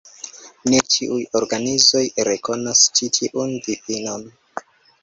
Ne ĉiuj organizoj rekonas ĉi tiun difinon.